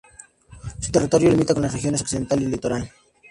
Su territorio limita con las regiones Occidental y Litoral.